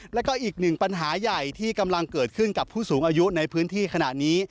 แล้วก็อีกหนึ่งปัญหาใหญ่ที่กำลังเกิดขึ้นกับผู้สูงอายุในพื้นที่ขณะนี้